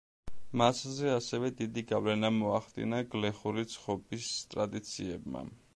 მასზე ასევე დიდი გავლენა მოახდინა გლეხური ცხობის ტრადიციებმა.